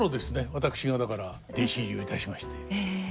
私がだから弟子入りをいたしましてはい。